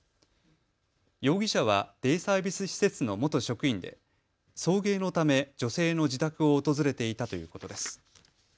容疑者はデイサービス施設の元職員で送迎のため女性の自宅を訪れていたということです。